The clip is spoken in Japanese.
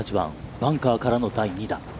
バンカーからの第２打。